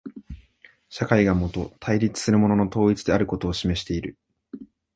社会がもと対立するものの統一であることを示している。